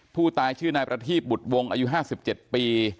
ผู้ตายชื่อนายพระทีปบุตรวงอายุห้าสิบเจ็ดปี